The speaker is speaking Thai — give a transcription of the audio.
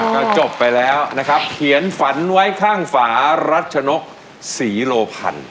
ก็จบไปแล้วนะครับเขียนฝันไว้ข้างฝารัชนกศรีโลพันธ์